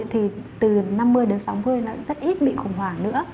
thì từ năm mươi đến sáu mươi là rất ít bị khủng hoảng nữa